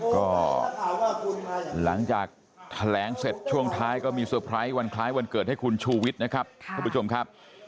ก็หลังจากแถลงเสร็จช่วงท้ายก็มีเตอร์ไพรส์วันคล้ายวันเกิดให้คุณชูวิทย์นะครับทุกผู้ชมครับ